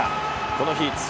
この日、２